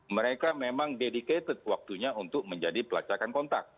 mereka memang dedicated waktunya untuk menjadi pelacakan kontak